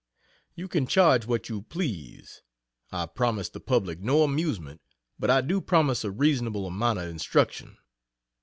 You can charge what you please; I promise the public no amusement, but I do promise a reasonable amount of instruction.